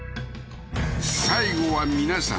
最後は皆さん